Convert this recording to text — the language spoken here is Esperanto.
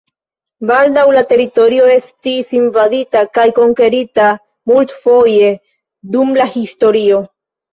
Baldaŭ la teritorio estis invadita kaj konkerita multfoje dum la historio.